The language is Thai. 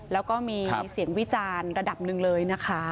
แล้วก็มีเสียงวิจารณ์ระดับหนึ่งเลยนะคะ